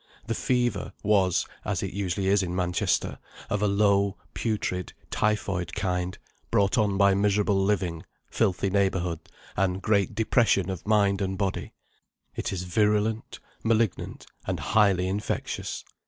"The fever" was (as it usually is in Manchester) of a low, putrid, typhoid kind; brought on by miserable living, filthy neighbourhood, and great depression of mind and body. It is virulent, malignant, and highly infectious.